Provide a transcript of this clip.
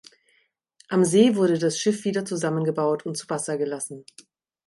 Am See wurde das Schiff wieder zusammengebaut und zu Wasser gelassen.